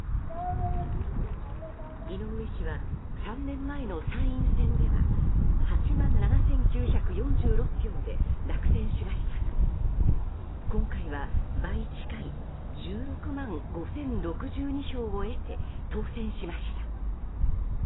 井上氏は３年前の参院選では８万７９４６票で落選しましたが今回は倍近い１６万５０６２票を得て当選しました。